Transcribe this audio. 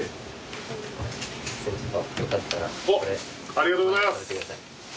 ありがとうございます。